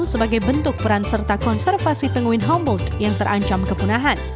sebagai bentuk peran serta konservasi penguin homeword yang terancam kepunahan